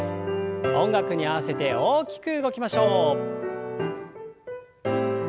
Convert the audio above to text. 音楽に合わせて大きく動きましょう。